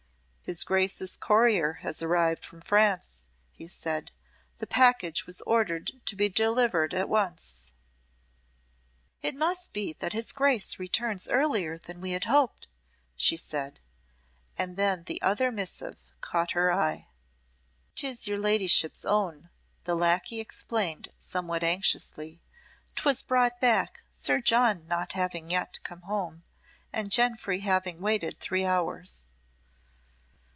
"His Grace's courier has arrived from France," he said; "the package was ordered to be delivered at once." "It must be that his Grace returns earlier than we had hoped," she said, and then the other missive caught her eye. "'Tis your ladyship's own," the lacquey explained somewhat anxiously. "'Twas brought back, Sir John not having yet come home, and Jenfry having waited three hours."